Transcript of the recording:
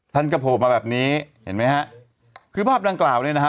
ท่านก็โผล่มาแบบนี้เห็นไหมฮะคือภาพดังกล่าวเนี่ยนะฮะ